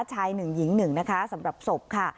ชาย๑หญิง๑นะคะสำหรับศพค่ะ